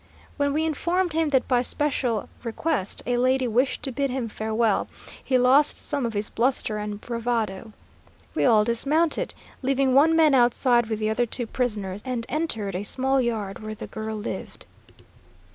When we informed him that by special request a lady wished to bid him farewell, he lost some of his bluster and bravado. We all dismounted, leaving one man outside with the other two prisoners, and entered a small yard where the girl lived.